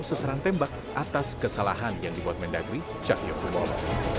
seserang tembak atas kesalahan yang dibuat mendagri cak yogi molo